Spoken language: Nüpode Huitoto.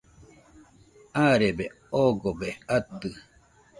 arebe oogobe atɨ